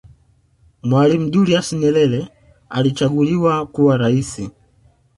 mwalimu julius yerere alichaguliwa kuwa raisi